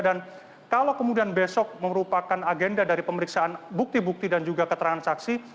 dan kalau kemudian besok merupakan agenda dari pemeriksaan bukti bukti dan juga keterangan saksi